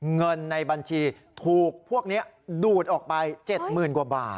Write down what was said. เงินในบัญชีถูกพวกนี้ดูดออกไป๗๐๐๐กว่าบาท